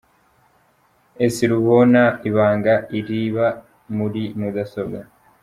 S Rubona ibanga riba muri mudasobwa.